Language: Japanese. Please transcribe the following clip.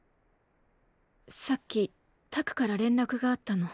さっき拓から連絡があったの。